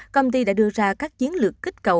công ty đã đưa ra các chiến lược kích cầu